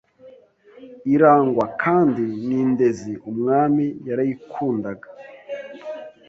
irangwa kandi n’indezi umwami yarayikundaga